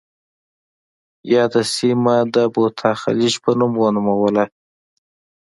یاده سیمه د بوتا خلیج په نوم ونوموله.